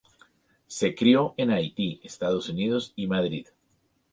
Se crió en Haití, Estados Unidos y Madrid.